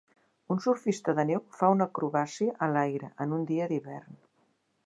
Un surfista de neu fa una acrobàcia a l'aire en un dia d'hivern.